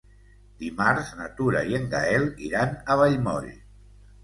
Dimarts na Tura i en Gaël iran a Vallmoll.